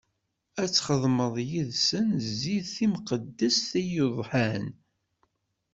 Ad txedmeḍ yis-sen zzit timqeddest i udhan.